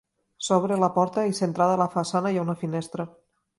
Sobre la porta, i centrada a la façana, hi ha una finestra.